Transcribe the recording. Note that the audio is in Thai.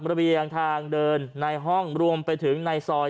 ระเบียงทางเดินในห้องรวมไปถึงในซอย